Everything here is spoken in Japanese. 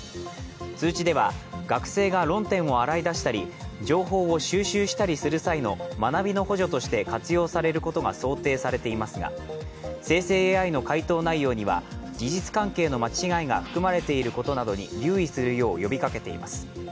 通知では、学生が論点を洗い出したり情報を収集したりする際の学びの補助として活用されることが想定されていますが、生成ＡＩの回答内容には事実関係の間違いが含まれていることなどに留意するよう呼びかけています。